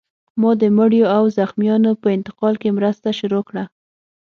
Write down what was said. ما د مړیو او زخمیانو په انتقال کې مرسته شروع کړه